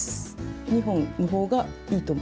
２本の方がいいと思う。